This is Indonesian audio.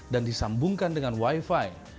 dan disambungkan dengan wifi